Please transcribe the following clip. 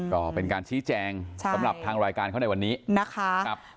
ก็เป็นการชี้แจงสำหรับทางรายการเขาในวันนี้นะคะ